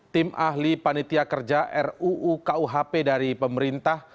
tim ahli panitia kerja ruu kuhp dari pemerintah